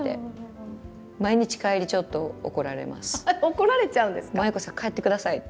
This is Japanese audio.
怒られちゃうんですか？